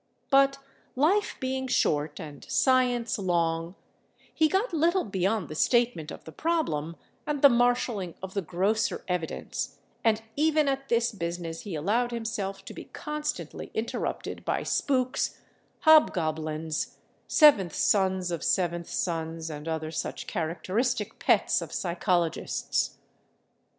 But life being short and science long, he got little beyond the statement of the problem and the marshaling of the grosser evidence—and even at this business he allowed himself to be constantly interrupted by spooks, hobgoblins, seventh sons of seventh sons and other such characteristic pets of psychologists.